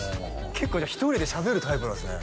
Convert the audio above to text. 結構じゃあ１人でしゃべるタイプなんですね